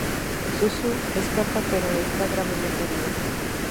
Susu escapa pero está gravemente herida.